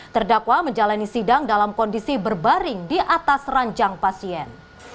terdakwa menjalani sidang dalam kondisi berbaring di atas ranjang pasien